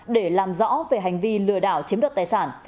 để làm rõ về hành vi lừa đảo chiếm đoạt tài sản